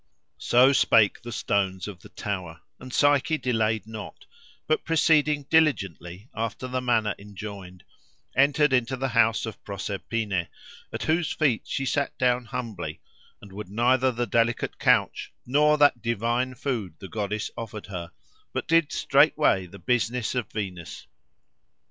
So spake the stones of the tower; and Psyche delayed not, but proceeding diligently after the manner enjoined, entered into the house of Proserpine, at whose feet she sat down humbly, and would neither the delicate couch nor that divine food the goddess offered her, but did straightway the business of Venus.